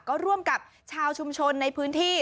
ก็ร่วมกับชาวชุมชนในพื้นที่